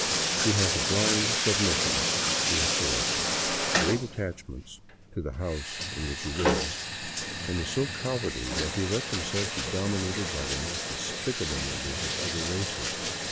He has a blind submission to au thority, great attachment to the house in which he lives, and is so cowardly that he lets himself be dominated by the most despicable members of other races.